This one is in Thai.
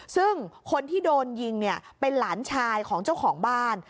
ซึ่งคนที่โดนยิงเนี่ยเป็นหลานชายของเจ้าของบ้าน